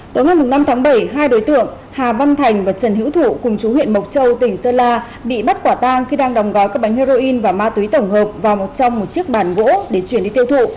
tối ngày năm tháng bảy hai đối tượng hà văn thành và trần hữu thủ cùng chú huyện mộc châu tỉnh sơn la bị bắt quả tang khi đang đồng gói các bánh heroin và ma túy tổng hợp vào một trong một chiếc bàn gỗ để chuyển đi tiêu thụ